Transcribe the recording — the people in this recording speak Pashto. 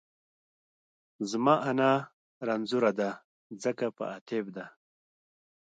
زما انا رنځورۀ دۀ ځکه په اتېب دۀ